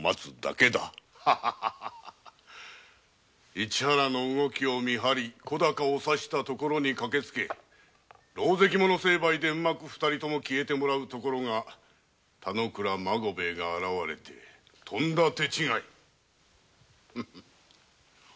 市原の動きを見張り小高を刺したところに駆けつけろうぜき者成敗で二人とも消えてもらうところが田之倉孫兵衛が現れてとんだ手違い。